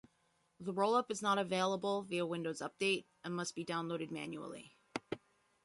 The rollup is not available via Windows Update, and must be downloaded manually.